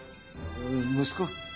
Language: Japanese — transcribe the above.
息子。